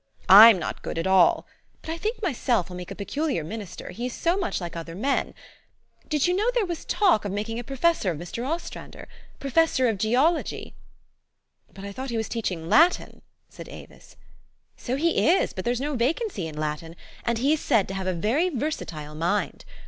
J'm not good at all. But I think my self he'll make a peculiar minister, he is so much like other men. Did you know there was talk of 34 THE STORY OF AVIS. making a professor of Mr. Ostrander? professor of geology." "But I thought he was teaching Latin," said Avis. " So he is ; but there's no vacancy in Latin, and he is said to have a very versatile mind.